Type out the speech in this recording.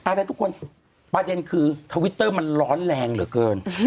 อะไรทุกคนประเด็นคือทวิตเตอร์มันร้อนแรงเหลือเกิน